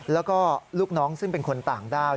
แล้วก็ลูกน้องซึ่งเป็นคนต่างด้าว